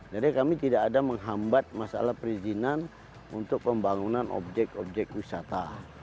jadi kami tidak ada menghambat masalah perizinan untuk pembangunan objek objek wisata